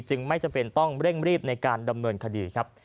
ไม่จำเป็นต้องเร่งรีบในการดำเนินคดีครับ